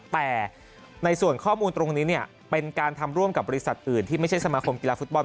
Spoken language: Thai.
แต่ในส่วนข้อมูลตรงนี้เนี่ยเป็นการทำร่วมกับบริษัทอื่นที่ไม่ใช่สมาคมกีฬาฟุตบอล